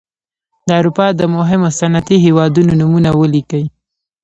د اروپا د مهمو صنعتي هېوادونو نومونه ولیکئ.